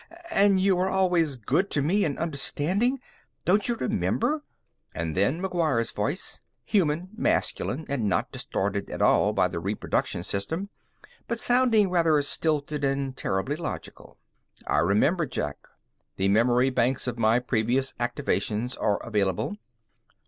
And you were always good to me and understanding. Don't you remember?" And then McGuire's voice human, masculine, and not distorted at all by the reproduction system, but sounding rather stilted and terribly logical: "I remember, Jack. The memory banks of my previous activations are available."